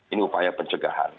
ini upaya pencegahan